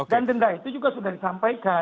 dan denda itu juga sudah disampaikan